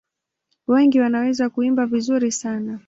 Wengi wanaweza kuimba vizuri sana.